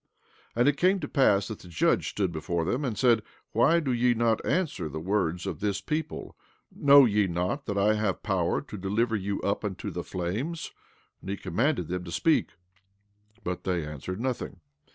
14:19 And it came to pass that the judge stood before them, and said: Why do ye not answer the words of this people? Know ye not that I have power to deliver you up unto the flames? And he commanded them to speak; but they answered nothing.